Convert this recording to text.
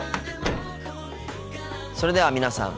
それでは皆さん